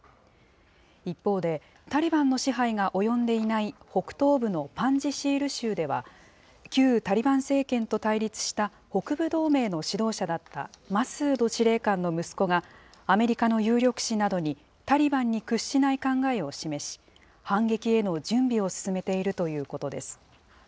一方で、タリバンの支配が及んでいない北東部のパンジシール州では旧タリバン政権と対立した北部同盟の指導者だったマスード司令官の息子がアメリカの有力紙などに、タリバンに屈しない考えを示し、反撃への準備を進めているということです。